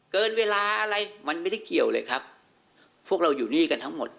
เกินเวลาอะไรมันไม่ได้เกี่ยวเลยครับพวกเราอยู่นี่กันทั้งหมด